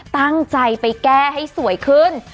ตั้งใจไปแก้ให้สวยขึ้น